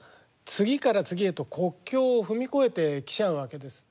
次から次へと国境を踏み越えて来ちゃうわけです。